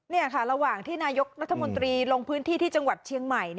นี่ค่ะระหว่างที่นายกรัฐมนตรีลงพื้นที่ที่จังหวัดเชียงใหม่